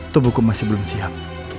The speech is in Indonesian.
tubuhku masih belum siap